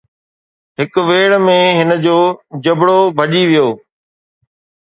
هڪ ويڙهه ۾ هن جو جبرو ڀڄي ويو.